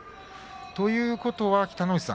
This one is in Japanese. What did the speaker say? ということは北の富士さん